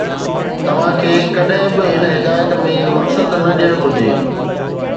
توهان کي ڪڏهن به هن هدايت ۾ مقصد نه ڏيڻ گهرجي.